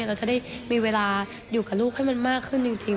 เราจะได้มีเวลาอยู่กับลูกให้มันมากขึ้นจริง